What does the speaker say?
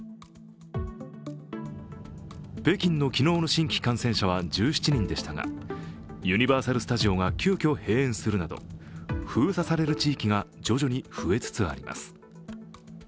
北京の昨日の新規感染者は１７人でしたがユニバーサル・スタジオが急きょ閉園するなど封鎖される地域が徐々に増えつつあります。